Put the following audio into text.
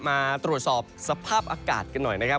มาตรวจสอบสภาพอากาศกันหน่อยนะครับ